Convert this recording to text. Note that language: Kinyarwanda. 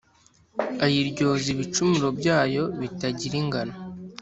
ayiryoza ibicumuro byayo bitagira ingano.